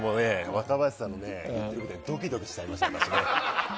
若林さんの言ってることにドキドキしちゃいました。